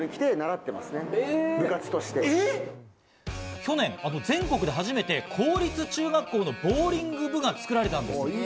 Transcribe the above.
去年、全国で初めて公立中学校のボウリング部が作られたんです。